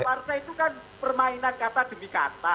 partai itu kan permainan kata demi kata